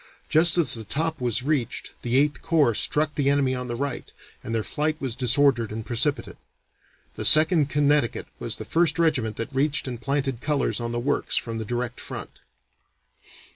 Just as the top was reached the Eighth Corps struck the enemy on the right, and their flight was disordered and precipitate. The Second Connecticut was the first regiment that reached and planted colors on the works from the direct front.